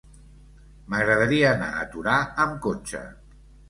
M'agradaria anar a Torà amb cotxe.